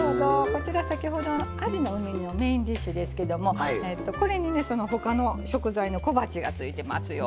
こちら先ほどのあじの梅煮のメインディッシュですけどもこれにね他の食材の小鉢がついていますよ。